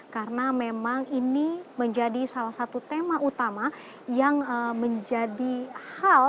karena memang ini menjadi salah satu tema utama yang menjadi hal penting untuk dibahas antar negara terutama bagi negara negara g dua puluh